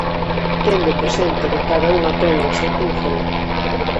Tendo presente que cada un aprende de xeito diferente.